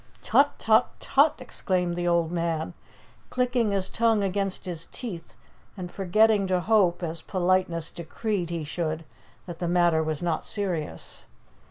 "Tut, tut, tut!" exclaimed the old man, clicking his tongue against his teeth and forgetting to hope, as politeness decreed he should, that the matter was not serious.